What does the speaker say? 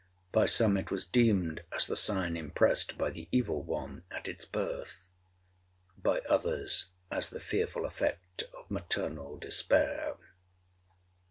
By some it was deemed as the sign impressed by the evil one at its birth—by others as the fearful effect of maternal despair.